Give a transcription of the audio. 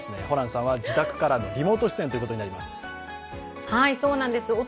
ホランさんは自宅からのリモート出演となります。